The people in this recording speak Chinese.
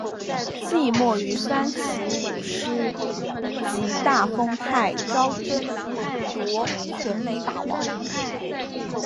季末与山崎武司及大丰泰昭争夺全垒打王。